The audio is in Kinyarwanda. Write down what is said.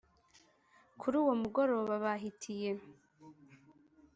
kuruwo mugoroba bahitiye